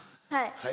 はい。